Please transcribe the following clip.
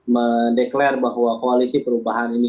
mendeklarasi bahwa koalisi perubahan ini